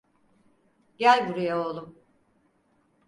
Gel buraya oğlum.